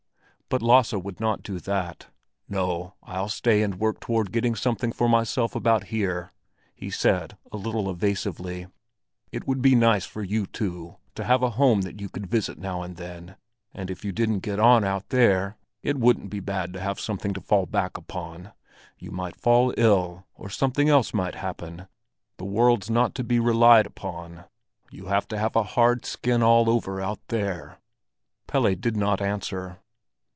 But Lasse would not do that. "No, I'll stay and work toward getting something for myself about here," he said, a little evasively. "It would be nice for you too, to have a home that you could visit now and then; and if you didn't get on out there, it wouldn't be bad to have something to fall back upon. You might fall ill, or something else might happen; the world's not to be relied upon. You have to have a hard skin all over out there." Pelle did not answer.